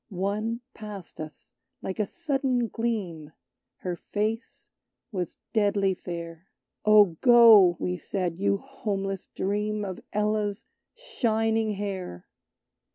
One passed us, like a sudden gleam; Her face was deadly fair. "Oh, go," we said, "you homeless Dream Of Ella's shining hair!